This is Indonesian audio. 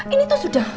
ini tuh sudah